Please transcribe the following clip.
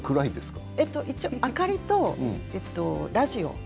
明かりとラジオ